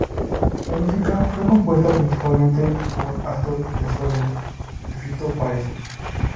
La música fue compuesta principalmente por Astor Piazzolla y Fito Páez.